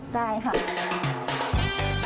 ได้ค่ะ